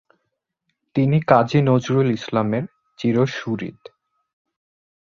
তিনি কাজী নজরুল ইসলামের চিরসুহৃদ।